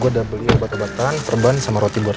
gue udah beli obat obatan perban sama roti buat